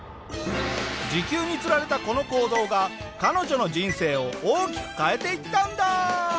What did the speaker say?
時給に釣られたこの行動が彼女の人生を大きく変えていったんだ！